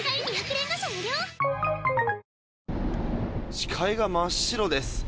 視界が真っ白です。